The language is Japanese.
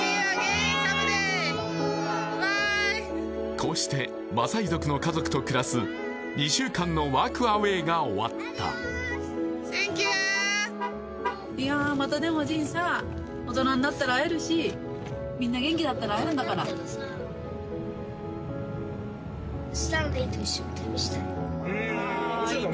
こうしてマサイ族の家族と暮らす２週間のワークアウェイが終わったＴｈａｎｋｙｏｕまたでも仁さ大人になったら会えるしみんな元気だったら会えるんだから面白いかもね